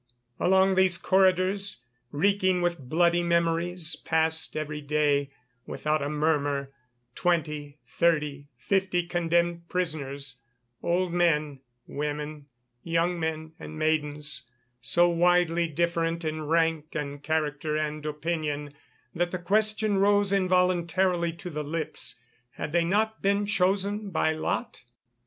Along these corridors, reeking with bloody memories, passed every day, without a murmur, twenty, thirty, fifty condemned prisoners, old men, women, young men and maidens, so widely different in rank and character and opinion that the question rose involuntarily to the lips, had they not been chosen by lot?